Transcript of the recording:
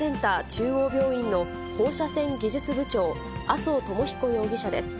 中央病院の放射線技術部長、麻生智彦容疑者です。